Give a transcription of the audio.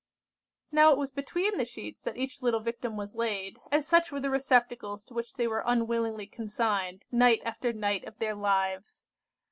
"Now it was between the sheets that each little Victim was laid, and such were the receptacles to which they were unwillingly consigned, night after night of their lives!